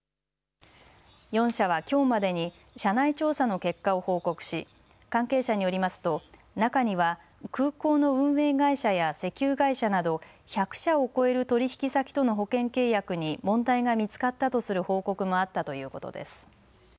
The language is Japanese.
４社はきょうまでに社内調査の結果を報告し関係者によりますと中には空港の運営会社や石油会社など１００社を超える取引先との保険契約に問題が見つかったとする報告もあったということです。